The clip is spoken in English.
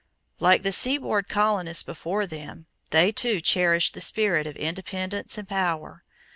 Like the seaboard colonists before them, they too cherished the spirit of independence and power.